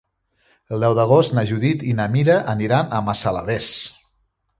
El deu d'agost na Judit i na Mira aniran a Massalavés.